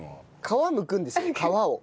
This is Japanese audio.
皮むくんですよ皮を。